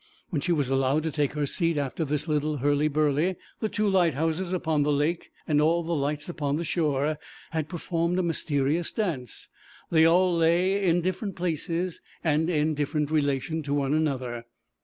When she was allowed to take her seat after this little hurly burly the two lighthouses upon the lake and all the lights upon the shore had performed a mysterious dance; they all lay in different places and in different relation to one another.